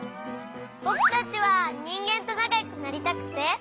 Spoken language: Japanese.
ぼくたちはにんげんとなかよくなりたくて。